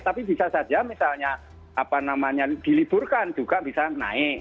tapi bisa saja misalnya apa namanya diliburkan juga bisa naik